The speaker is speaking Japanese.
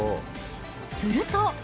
すると。